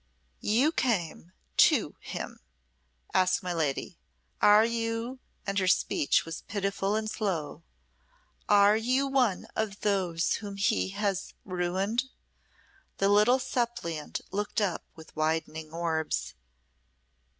"You came to him," asked my lady. "Are you," and her speech was pitiful and slow "are you one of those whom he has ruined?" The little suppliant looked up with widening orbs.